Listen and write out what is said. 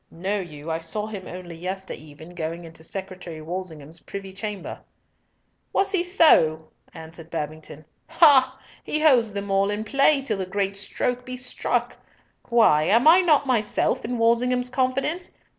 Know you, I saw him only yestereven going into Secretary Walsingham's privy chamber." "Was he so?" answered Babington. "Ha! ha! he holds them all in play till the great stroke be struck! Why! am not I myself in Walsingham's confidence?